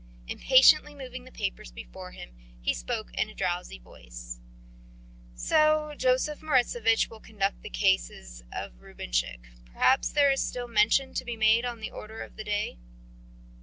Impatiently moving the papers before him, he spoke in a drowsy voice. "So, Joseph Moritzovich will conduct the case of Rubinchik... Perhaps there is still a statement to be made on the order of the day?"